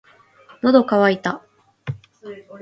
喉乾いた